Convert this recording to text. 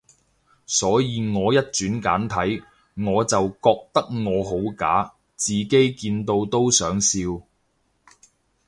所以我一轉簡體，我就覺得我好假，自己見到都想笑